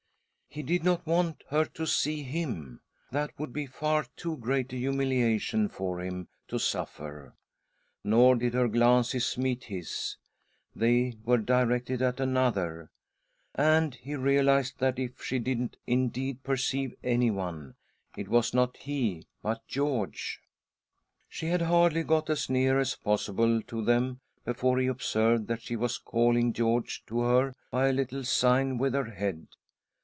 He did not want her to see him ! That would be far too great a humiliation for him to suffer. Nor did her glances meet his ; they were directed at another ; and he realised that if she did indeed perceive anyone, it was not he, but George. She had hardly got as near as possible to them before he observed that she was calling George to her by a little sign with her head.